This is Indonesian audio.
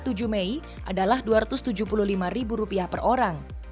pembelian masuk trans snow world hingga tujuh mei adalah rp dua ratus tujuh puluh lima per orang